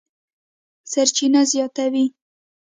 سرچینه زیاتوي،